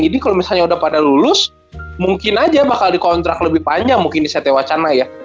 jadi kalo misalnya udah pada lulus mungkin aja bakal dikontrak lebih panjang mungkin di satya wacana ya